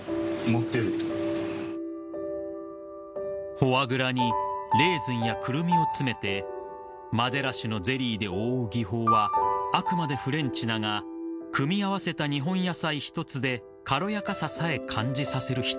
［フォアグラにレーズンやクルミを詰めてマデラ酒のゼリーで覆う技法はあくまでフレンチだが組み合わせた日本野菜一つで軽やかささえ感じさせる一品］